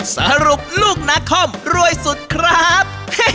สรุปลูกนาคอมรวยสุดครับ